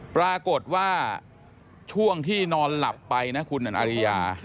ปรากฏว่าช่วงที่นอนหลับไปนะคุณอริยา